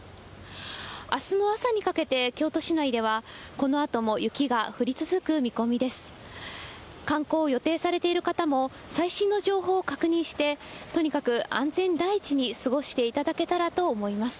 あすの朝にかけて、京都市内ではこのあとも雪が降り続く見込みです。